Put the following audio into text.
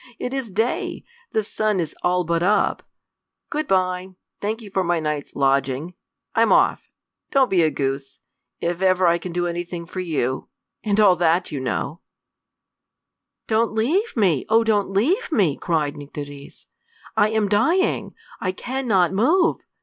It is day. The sun is all but up. Good by. Thank you for my night's lodging. I'm off. Don't be a goose. If ever I can do anything for you and all that, you know " "Don't leave me; oh, don't leave me!" cried Nycteris. "I am dying! I can not move.